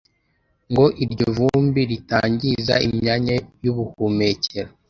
ngo iryo vumbi ritangiza imyanya y'ubuhumekero